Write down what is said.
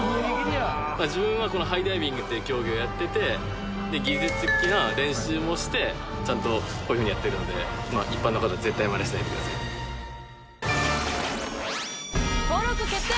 自分はこのハイダイビングっていう競技をやってて技術的な練習もしてちゃんとこういうふうにやっているので一般の方登録決定！